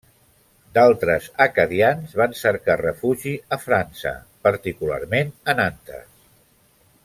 D'altres acadians van cercar refugi a França, particularment a Nantes.